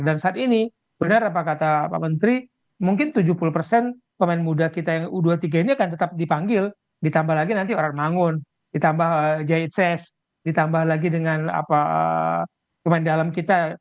saat ini benar apa kata pak menteri mungkin tujuh puluh persen pemain muda kita yang u dua puluh tiga ini akan tetap dipanggil ditambah lagi nanti orang mangun ditambah jahit ses ditambah lagi dengan pemain dalam kita